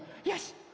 よし！